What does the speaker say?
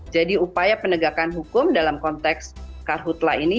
jadi upaya penegakan hukum dalam konteks karhutla ini